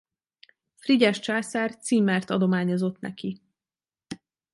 Frigyes császár címert adományozott neki.